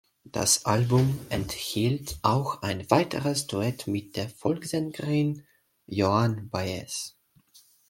Das Album enthielt auch ein weiteres Duett mit der Folksängerin Joan Baez.